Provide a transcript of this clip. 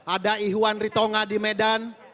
ada ihwan ritonga di medan